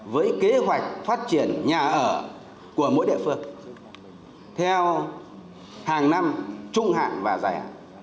với kế hoạch phát triển nhà ở của mỗi địa phương theo hàng năm trung hạn và rẻ